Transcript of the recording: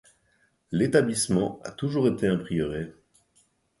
L'établissement a toujours été un prieuré.